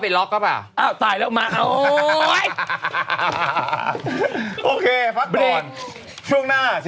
มีเต็มตัวปรุงรส